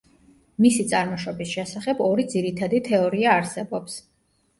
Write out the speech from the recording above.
მისი წარმოშობის შესახებ ორი ძირითადი თეორია არსებობს.